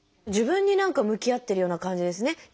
自分に何か向き合ってるような感じですね。